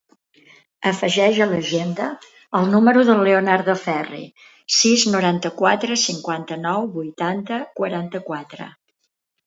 Afegeix a l'agenda el número del Leonardo Ferri: sis, noranta-quatre, cinquanta-nou, vuitanta, quaranta-quatre.